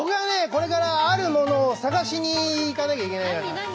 これからあるものを探しに行かなきゃいけないから。